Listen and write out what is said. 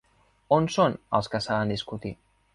On són els que saben discutir?